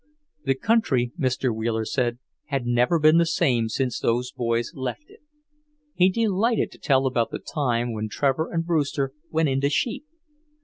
The country, Mr. Wheeler said, had never been the same since those boys left it. He delighted to tell about the time when Trevor and Brewster went into sheep.